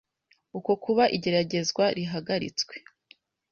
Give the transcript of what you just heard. uko kuba igeragezwa rihagaritswe